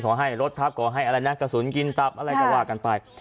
ขอให้รถทับขอให้อะไรนะกระสุนกินตับอะไรก็ว่ากันไป